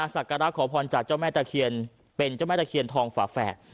สักการะขอพรจากเจ้าแม่ตะเคียนเป็นเจ้าแม่ตะเคียนทองฝาแฝด